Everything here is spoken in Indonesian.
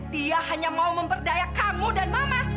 dia hanya mau memperdaya kamu dan mama